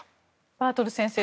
バートル先生